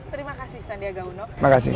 terima kasih sandiaga uno